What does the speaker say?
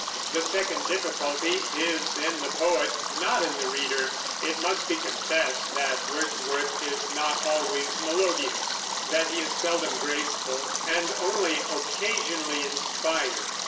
The second difficulty is in the poet, not in the reader. It must be confessed that Wordsworth is not always melodious; that he is seldom graceful, and only occasionally inspired.